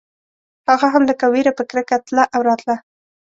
هغه هم لکه وېره په کرکه تله او راتله.